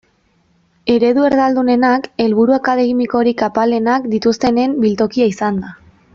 Eredu erdaldunenak helburu akademikorik apalenak dituztenen biltokia izan da.